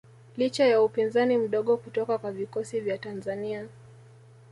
Licha ya upinzani mdogo kutoka kwa vikosi vya Tanzania